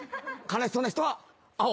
悲しそうな人は青。